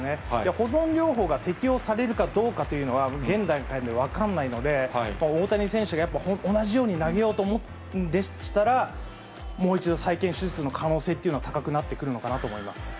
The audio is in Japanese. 保存療法が適用されるかどうかというのは、現段階で分かんないので、大谷選手が同じように投げようと思うんでしたら、もう一度、再建手術の可能性っていうのは高くなってくるのかなと思います。